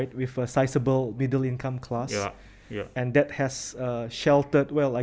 dengan kelas pendapatan pendapatan yang sederhana